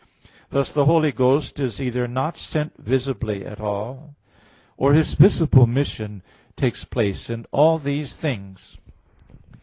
Thus the Holy Ghost is either not sent visibly at all, or His visible mission takes place in all these things.